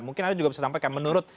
mungkin anda juga bisa sampaikan menurut